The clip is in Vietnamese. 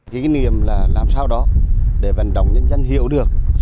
kỷ niệm là làm sao đó để vận động nhân dân hiểu được